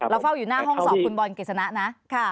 เฝ้าอยู่หน้าห้องสอบคุณบอลกฤษณะนะ